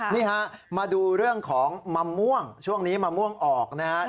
นี่ฮะมาดูเรื่องของมะม่วงช่วงนี้มะม่วงออกนะครับ